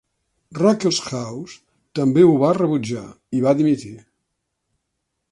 Ruckelshaus també ho va rebutjar i va dimitir.